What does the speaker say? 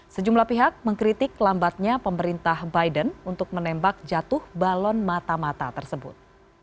sejumlah pihak mengkritik lambatnya pemerintah biden untuk menembak jatuh balon mata mata tersebut